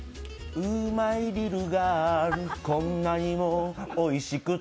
うーまいリトルガールこんなにもおいしくて。